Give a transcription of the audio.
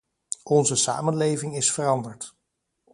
Onze samenleving is veranderd.